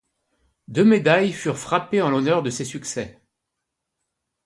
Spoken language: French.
Deux médailles furent frappées en l'honneur de ces succès.